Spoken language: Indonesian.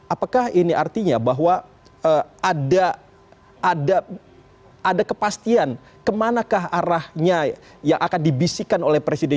apakah ini artinya bahwa ada kepastian ke manakah arahnya yang akan dibisikkan oleh presiden